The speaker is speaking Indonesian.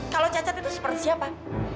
kalau cacat itu seperti apa